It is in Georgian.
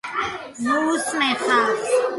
„ნუ უსმენ ხალხს!..“